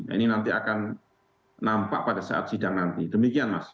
ini nanti akan nampak pada saat sidang nanti demikian mas